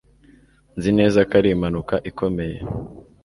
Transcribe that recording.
Nzi neza ko ari impanuka ikomeye.